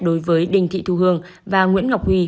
đối với đinh thị thu hương và nguyễn ngọc huy